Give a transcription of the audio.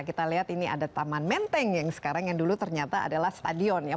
kita lihat ini ada taman menteng yang sekarang yang dulu ternyata adalah stadion ya